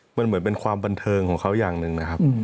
มันเหมือนเป็นความบันเทิงของเขาอย่างหนึ่งนะครับ